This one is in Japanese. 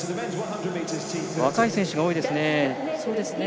若い選手が多いです。